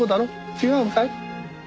違うかい？